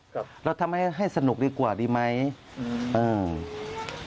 ครับเราทำให้ให้สนุกดีกว่าดีไหมอืมเออ